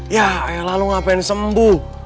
ya ayolah lo ngapain sembuh